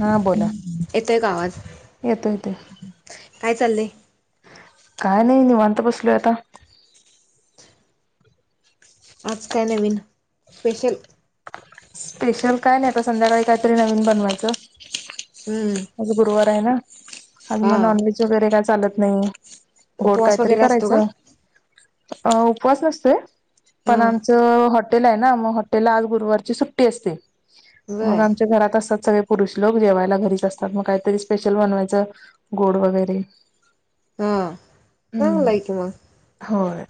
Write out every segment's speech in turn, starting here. हा बोला येतोय का आवाज येतो येतोए काय चाललंय काय नइ निवांत बसलोय आता आज काय नवीन स्पेशल स्पेशल काय नइ आता संध्याकाळी काईतरी नवीन बनवायचं हम्म आज गुरुवार ना आज हा म नॉनव्हेज वगैरे काय चालत नइ गोड उपवास कायतरी वगैरे असतो का करायचं उपवास नसतोय हा पण आमचं हॉटेलाय ना मग हॉटेला आज गुरुवारची सुट् अस मग बर आमच्या घरात असत सगळे पुरुष लोक जेवायला घरीच असतात मग काहीतरी स्पेशल बनवायचं गोड वगैरे हा हम्म चांगलं आहे की मग होय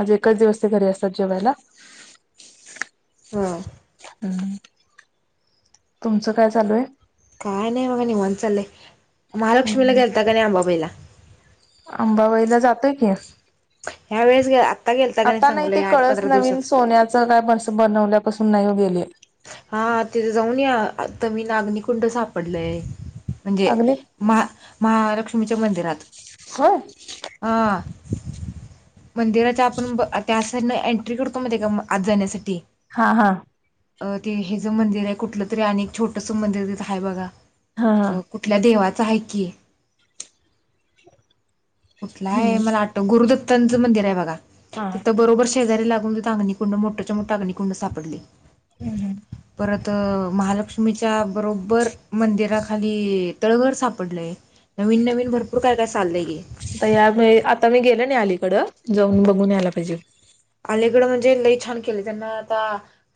आज च दिवस घरी असतात जेवायला हा हम् तुमचं काय चालू आहे काय नाही बघा नि म्ह ललेय महालक्ष्मीला हम्म गेलता का नाही अंबाबाईला अंबाबाईला जातोय की ह्या वेळेस गे आत्ता गेलता का आता नाही ते चांगलं आठ कळस पंधरा नवीन दिवसात सोन्याच काय ब बनवल्या कसून नाहीऊ गेले हा तेिथे जाऊन या आता मी नागन कुंड सापडलय म्हणजे अग्नित महा महालक्ष्मीच्या मंदिरात होय अह मंदिराच्या आपण त्यासाठी एंट्री करतो मग का आज जाण्यासाठी हा हा अ ते हे ज मंदिर आहे कुठलं तरी आणि छोटस मंदिर तिथं आहे बघा हा हा अ कुठल्या देवाचा आहे की कुठला आहे हम्म मला आ गुरुदत्तांचं मंदिर आहे बघा हा तिथं बरोबर शेजारी लागून अग्नकुंड मोठ्या मोठा अग्निकुंड सापडले हम् हम् खत महालक्ष्मीच्या बरोबर मंदिराखाली तळघर सापडलं आहे नवीन नवीन भरपूर काय काय चाललंये आता या आता मी गेल नाही अलीकडं जाऊन बघून यायला पाहिजे आलीकडं म्हणजे लई छान केले त्यांना आता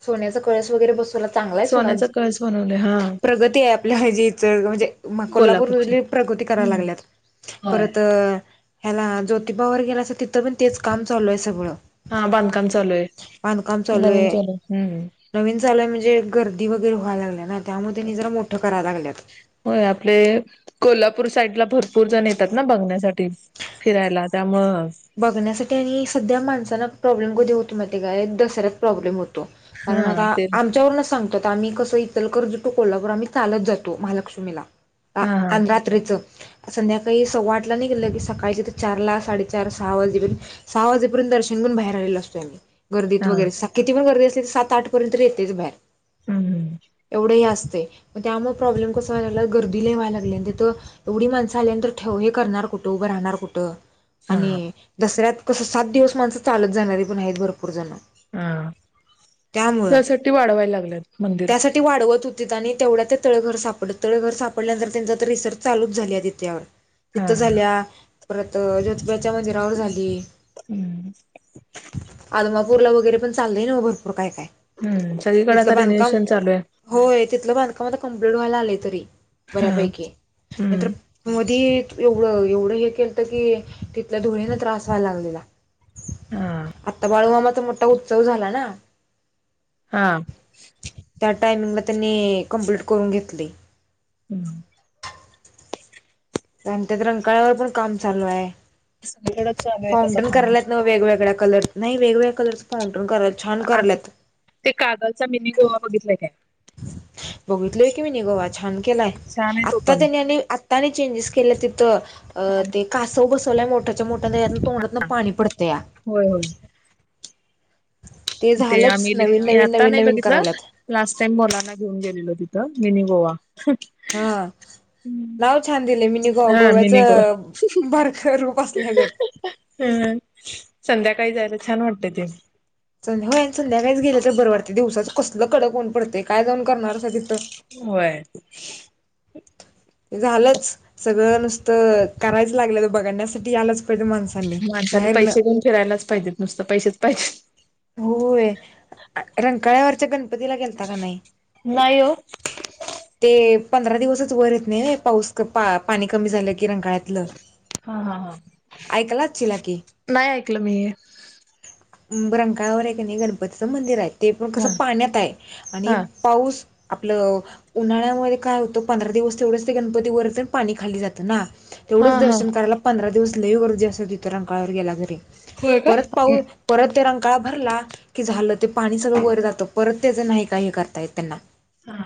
सोन्याचा कळस वगैरे बस तुला चांगला आहे सोडा सोन्याचा कळस बनवले हा प्रगती आहे आपल्या हजीच म्हणजे कोल्हापूर कोल्हापूरचे प्रगती करायला लागल्यात होय परत ह्याला ज्योतिबावर गेला अस तिथं पण तेच काम चालू आहे सगळं हा बांधकाम चालू आहे बांधकाम चालू आहे नवीन चालूय म्हणजे घरदी वगरे व्हाय लाग ना त्यामुळे त्यांनी जरा मोठं करायला लागल्यात. होय आपले कोला नागपूर साईड ला भरपूर जण येतात ना बघण्यासाठी फिरायला त्यामुं बघण्यासाठी आणि सध्या माणसना प्रॉब्लेम कधी होतो म ते गा दसऱ्यात प्रॉब्लेम होत कारण हा आता ते आमच्यावर सांगतो आम्ही कसं इथल कर्ज टू कोल्हापूर आम्ही चालत जातो महालक्ष्मीला रा हा हा आं रात्रीचं संध्याकाळी सव्वाटला नि गेलं की सकाळच्या तर चारला साडे चार सहा वाजेपर्य सहाजेर्यंत दर्शन करून बाहेर आलेो असतो त्यां गर्दीत हा वगैरे साखेती पण गर्दी असत सात आठ पर्यंत येतेच बाहेर हम्म एवढं ह असत ग त्यामुळे प्रॉब्लेम कस्हागला गर्दीला वय लाग एवढी माणस आलींत ठे हे करणार फोटो उभं राहणार कुठं आणि हा दसऱ्यात कसं सात दिवस माणसं चालत जाणारी पण आहेत भरपूर जण हा त्यामुळं त्यासाठी वाढवायला लागल्यात मंदिर तिथं आणि तेवढ्या ते तळघर सापडत तळघर सापडल्यानंतर त्यांच तर रिसर्च चालूच झाली आहे ति त्यावर हा तिथ हा झाल्या परत ज्योतिबाच्या मंदिरावर झाली हम्म टूरला वगैरे पण चालल आहे ना बर मग काय नाही सगळीकडे तिथलं आता बांधकाम रिनोव्हेशन चालू आहे. होय तिथलं बांधकाम आता कंप्लीट व्हायला आलंय नाहीतरी हा बऱ्या पैकी नाहीतर हम्म. मधी एवढं एवढं हे केलत की तिथल्या धुळेने त्रास व्हायला लागलेला हा आता बाळूमामाचा मोठा उत्सव झाला ना हा टामिंगला त्यांनी कमप्लीट करून घेतलय हम् आणि त्यात रंकाळ्यावर पण काम चालू आहे सगळीकडे चालू आहेत आता फाउंटन काम. करायलाच न वेगवेगळ्या कलर नाही वेगवेगळ्या कलर पा आणि ते कागलचा मिनी गोवा बघितलाय काय बगीत लोय कि मिनी गोवा छान केलाय छान आहे तो आत्ता पण. त्यांनी आणि आत्ता आणि चेंजेस केलेत तिथ ते कासव बस स मोटरच्या मोट्या तोंडातन पाणी पडते या होय होय ते आम्ही नवीन ल नवीन आता नवीन नाही नवीन बघितलं करायल्यात लास्ट टाईम मोलांना घेऊन गेलेलो तिथ मीनी गोवा हा नाव छान दिलेय मीनी गो हा मिनी गोवा. गोव्याचं बारक रूप असल्या गत ह संध्याकाळी जायला छान वाटत ते होय संध्याकाळीच गेलं तर बरं वाटतंय दिवसाचं कसलं कडक ऊन पडतय काय जाऊन करणार हायसा असं तिथं होय झालंच सगळं नुसतं करायचं लागले बघण्यासाठी आलंच माणसानी पैसे देेऊन फिरायलाच पाहिजेत नुसत पैसेच पाहिजेत होय रंकाळ्यावरच्या गणपतीला गेलता का नाही नाही ते पंधरा दिवसच वर येत नाही पाऊस पाणी कमी झाल्या कि रकाळ्यातलं हा हा हा. ऐकलाच चिला की नाही ऐकलं मी हे. ह रंकाळ्यावर आहे क नाही गणपतीचं मंदिर आहे ते पण हा कसं पाण्यात आहे आणि हा. पाऊस आपलं उन्हाळ्यामध्ये काय होतं पंधरा दिवस तेवढंच ते गणपती व पण पाणी खाल्ली जातं ना हा तेवढंच हा. दर्शन करायलां पंधरा दिवस लव गरदी अस त इतरांकाळावर गेला तरी होय काय? परत पाऊ परत त्यो रांकाळा भरला की झालं ते पाणी सगळं वर जातं परत त्याचं नाही का हे करता येत त्यांना हा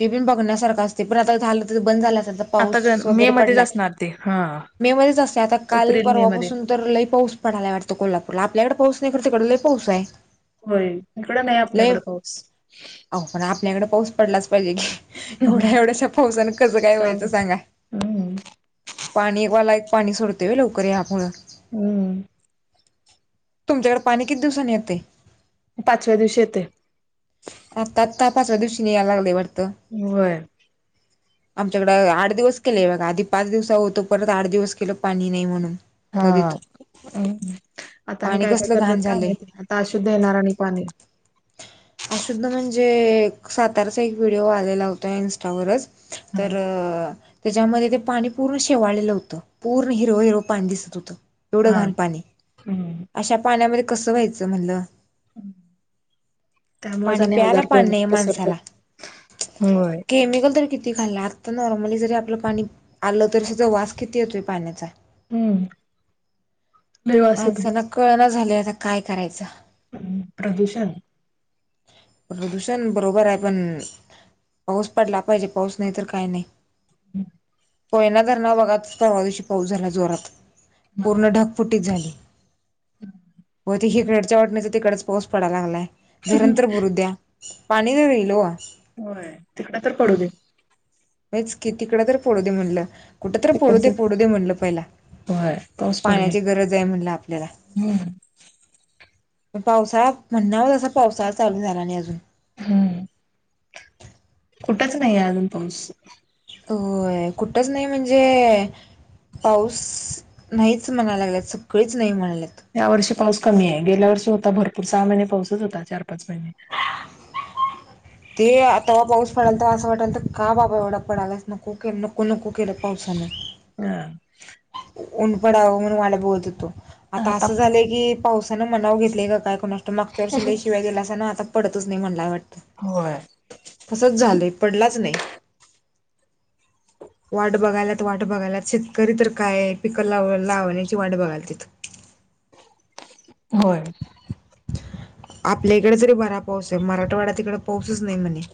ते पण बघण्यासारखं असते पण आता झालं तर बंद झालं अस आता पाऊस गण मे वगैरे मध्येच पडलाय असणार ते हा मे मध्येच असते आता काल एप्रिल मे मध्ये. परवापासून तर लय पाऊस पडायला वाटतो कोल्हापूरला आपल्याकडे पाऊस नाहीकडे तिकड लई पाऊस आहे होय इकडं नाही लय आपल्याकड पाऊस अहो पण आपल्याकडे पाऊस पडलाच पाहिजे की एवढ्या एवढ्याश पावसाने कसं काय काम व्हायचं सांगा हम्म. पाणीवाला पाणी सोडतेय लवकर यामुळं हम्म तुमच्याकडे पाणी किती दिवसाांनी येतय पाचव्या दिवशी येतय आतातापाचच्या दिवशी न यायला लागले वाटते होय आमच्याकडं आठ दिवस केलेय बघा आधी पाच दिवसा होतो परत आठ दिवस केलं पाणी नाही म्हणून नदीत हाम् आता आणि पाणी काय काय कसलं घाण करतात का झालंय आता अशुद्ध येणार आणि पाणी अुद्धा म्हणजे सातारचा एक व्हिडिओ आलेला होता इन्स्टावरच हा तर त्याच्यामध्ये ते पाणी पूर्ण शेवाळलेलं होतं पूर्ण हिरव हिर पाणी दिसत होतं एवढं हा घाण पाणी हम्म. अशा पाण्यामध्ये कसं व्हायचं म्हणलं त्यामुळेच पाणी आणि प्यायला आजार पाणी नाही पसरतात. माणसाला होय. केमिकल तर किती ाला आता नॉर्मली जरी आपलं पाणी आलं तरी सुधा वास किती येतोय पाण्याचा हम्म लय वास येतोय. माणसांना कळना झाले आता काय करायचं प्रदूषण प्रदूषण बरोबर आहे पण, पाऊस पडला पाहिजे पाऊस नाही तर काही नाही. हम्. कोयना धरणावर बगा परवादिवशी पाऊस झाला जोरात पूर्ण ढगफुटीच झाली. हम. हिकडच्या वाटनीच तिकडच पाऊस पडाला लागलाय धरण तर भरू द्या पाणी तर ईल वो. होय तिकडं तर पडू दे. होयच कि तिकडं तर पोडू दे म्हणलं कुठं तर पोडू तिकडच दे पोडू दे म्हणलं पहिला. होय पाऊस पडू दे पाण्याची गरज आहे म्हणलं आपल्याला. हम्म पण पावसाळा म्हणाव असं पावसाळा चालू झाला नाही अजून. हम्. कुठंच नाहीये अजून पाऊस. हो कुठच नाही म्हणजे, पाऊस नाहीच म्हणायला लागला सगळीच नाही म्हणालागल्यात. या वर्षी पाऊस कमी आहे गेल्या वर्षी होता भरपूर सहा महिने पाऊसच होता चार पाच महिने. ते आ तवा पाऊस पडलता असं वाटलत का बाबा एवढा पडलास नको के नको नको केलं पावसान. हा ऊन पडावं म्हणून वाट बगत होतो आता असं झालंय की पावसानं मनाव घेतलाय का काय कुणास ठाऊक, मागच्या वर्षी लय शिव्या देलासा ना आता पडतच नाही म्हणला वाटतं. होय तसत झालंय पडलाच नाही. वाट बघायलात वाट बघायलात शेतकरी तर काय पिकं लाव लावण्याची वाट बघायल तीत. होय. आपल्या इकडे तरी बरा पाऊस आहे मराठवाड्यात तिकडे पाऊसच नाही म्हणे.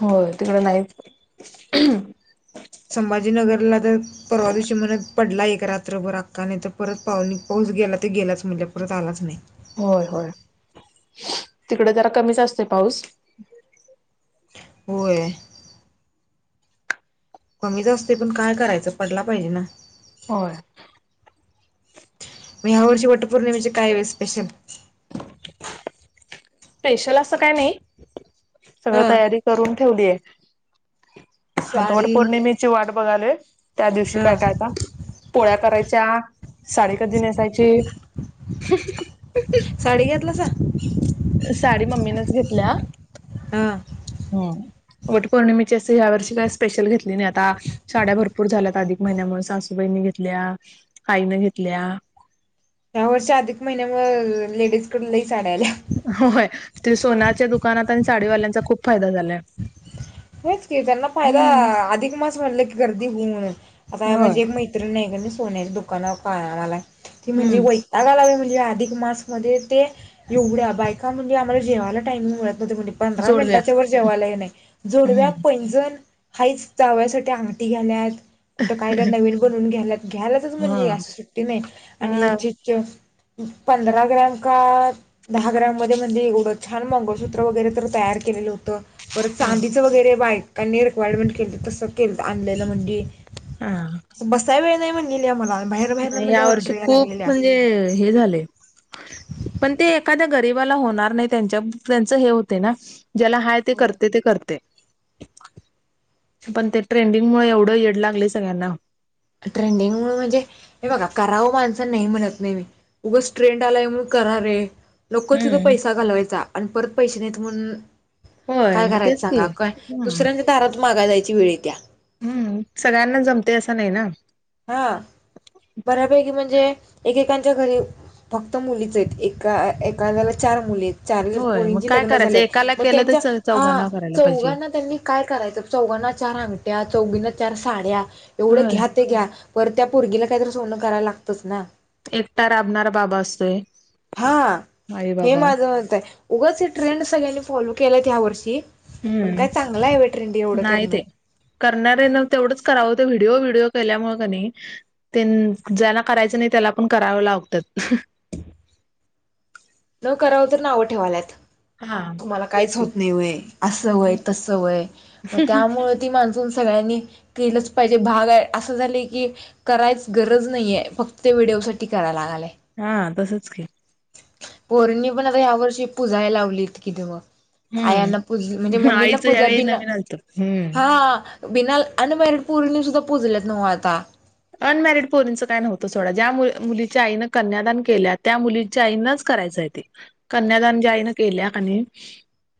हो तिकडं नाहीच. संभाजीनगरला तर परवा दिवशी म्हणत पडला एक रात्रभर अक्का नाही तर परत पाऊ पाऊस गेला तर गेलाच म्हणलं परत आलाच नाही. होय होय. तिकडे जरा कमीच असतो पाऊस. होय. कमीच असते पण काय करायचं पडला पाहिजे ना. होय. मी ह्या वर्षी वोटपौर्णिमेचे कायवे स्पेशल. स्पेशल असं काय नाही अ सगळं तयारी करून ठेवलीय. [unintelligible] हाता वट पौर्णिमेची वाट बघालोय त्या दिवशी काय ह कायता. पोळ्या करायच्या साडी कधी नेसायची, हा हा. साडी घेतलासा साडी मम्मीनेच घेतल्या ह ह्या वट पौर्णिमे ची या वर्षी काही स्पेशल घेतली नाही आता साड्या भरपूर झाल्यात अधिक महिन्यामुळे सासूबाईंनी घेतल्या. आईन घेतल्या. ह्या वर्षी अधिक महिन्या मुळ लेडीज कड लई साड्या आल्या होय ते सोनच्या दुकानात आणि साडीवाल्यांचा खूप फायदा झालाय. होयच की त्यांना फायदा हम्म अधिक मास म्हटलं की गर्दी हूं म्हणून, आता होय माझी एक मैत्रीण हाय क नई सोन्याच्या दुकानावर कामालाय, ती म्हणली हम्म वैताग ग आलाय बई जे अधिक मासमध्ये ते एवढ्या बायका म्हणजे आम्हाला जेवायला टाइमिंग मिळत म्हणे पंधरा जोडव्या मिनिटच्या वर जेवाला हे नाय जोडव्या हम्म पैंजण हाईच, जावया साठी आंगठी घ्याल्यात. कुठं काय तर नवीन बनवून घ्यायलात घ्यायलाच हा म्हणली अशी सुट्टी नाई आणि ती पंधरा ग्रॅम का दहा ग्रॅम मध्ये म्हणली उडत छान मंगळसूत्र वगैरे तर तयार केलेलं होतं. परत चांदीचं वगैरे बायकांनी रिक्वायरमेंट केलं तसं केलं आणल्यालं म्हणली. हा अस बसाय वेळ नाय म्हणलेली आम्हाला. बाहेर बाहेरनं म्हणजे या ऑर्डर वर्षी यायला खूप लागलेल्या म्हणजे हे झालय पण ते एखाद्या गरीबाला होणार नाइ त्यांच्या त्यांच हे होतय ना ज्याला हाय ते होय. करतय ते करतय. पण ते ट्रेंडिंग मुळ एवढं येड लागलय सगळ्यांना. ट्रेंडिंग मुळ म्हणजे? हे बघा करावं माणसांन नाइ म्हणत नाइ मी उगंच ट्रेंड आलाय करा रे लोक तिथं हम्म पैसा घालवायचा आणि परत पैसे नाइत म्हणून होय काय मग करायचं तेच की सांगा, काय हम्म दुसऱ्यांच्या दारात मागाय जायची वेळ येत्या. हम्म, सगळ्यांना जमतय असं नाइ ना. हा बऱ्यापैकी म्हणजे एकेकांच्या घरी फक्त मुलीचयत एका एकाद्याला चार मुलीयत चारी जर होय मग पोरींची काय लग्न करायचं एकाला झाल्यात म केलं त्यांच्या तर हा चौघांना करायला पाहिजे चौघांना त्यांनी काय करायच चौघांना चार अंगट्या चौगींना चार साड्या एवढ्या होय घ्या परत त्या पोरगीला कायतरी सोनं करायला लागतंच ना. एकटा राबणारा बाबा असतोय. हा आई हे बाबा माझं मतय उगच हे ट्रेंड सगळ्यांनी फॉलो केल्यात ह्या वर्षी. पण हम्म, काय चांगलं आहे व्हय ट्रेंड एवढं नाइ करणं ते करणार्यान तेवढंच करावं व्हिडिओ व्हिडिओ केल्यामुळे क नाइ ज्याला करायचं नाइ त्याला पण करावं लावत. [inaudible] न करावं तर नावं ठेवाल्यात. हा तुम्हाला तेच काइच की होत नाय वय अस वय तस वय मग त्यामुळे ती माण सगळ्यांनी केलंच पाहिजे भाग असं झालं की करायच गरज नाइये फक्त व्हिडिओ साठी कराय लागालय. हा तसच की. पोरींनी पण आता ह्या वर्षी पुजाय लावली किती दि हम्म आयाना पूज म्हणजे मम्मीना आईचं पूजल्या यावेळी बीन नवीन आलत हम्म हा बिना अनमेरिड पोरीनी सुद्धा पुजल्यात नव्ह आता. अनमॅरिड पोरींचं काय नव्हतं सोडा, ज्या मुलीच्या आईनं कन्यादान केल्या त्या मुलीच्या आईनच करायच ते कन्यादान ज्या आई न केल्या कनई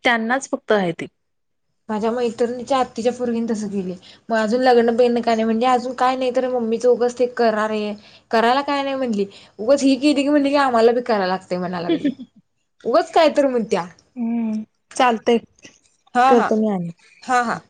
त्यांनाच फक्त हाय ते. माझ्या मैत्रिणीच्या आत्तीच्या पोरगीन तसं केली, माझ अजून लग्न बिग्न काय नाइ म्हणली अजून काय नाय तर म म्मीच उगच ते करा रे करायला काय नाय म्हटली उगच ही केली की म्हटली की आम्हाला बी कराय लागतय. ते म्हणा लागली, उगच काय तर मणत्या. हम्म चालतंय हा, हा, करतो मी आणि हा, हा.